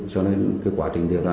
cho nên cái quá trình điều tra